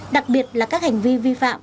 đặc biệt là các hành vi vi phạm